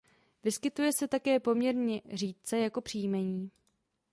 Vyskytuje se také poměrně řídce jako příjmení.